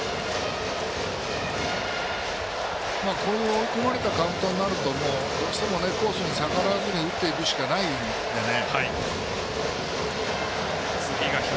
追い込まれたカウントになるとどうしてもコースに逆らわずに打っていくしかないのでね。